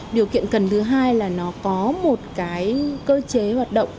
điều kiện cần thứ hai là nó có một cơ chế hoạt động